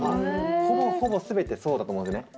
ほぼほぼ全てそうだと思うんですよね。